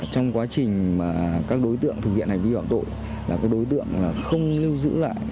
trong quá trình mà các đối tượng thực hiện hành vi phạm tội là đối tượng không lưu giữ lại